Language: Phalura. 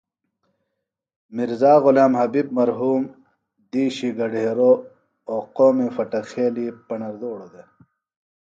میرزا غلام حبیب مرحوم دِیشی گھڈیروۡ او قومِ فٹک خیلی پݨردوڑہ دےۡ